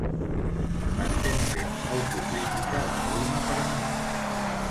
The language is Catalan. Estem fent autocrítica de forma permanent.